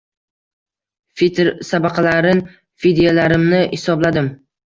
Fitr sadaqalarim, fidyalarimni hisobladim